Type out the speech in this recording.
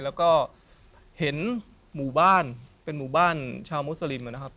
แล้วก็เห็นหมู่บ้านเป็นหมู่บ้านชาวมุสลิมนะครับ